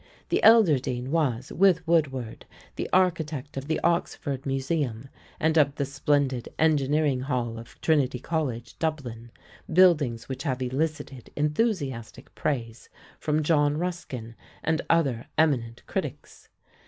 The elder Deane was, with Woodward, the architect of the Oxford Museum and of the splendid Engineering Hall of Trinity College, Dublin, buildings which have elicited enthusiastic praise from John Ruskin and other eminent critics.